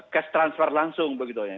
cash transfer langsung begitu ya